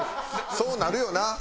そうなるよな。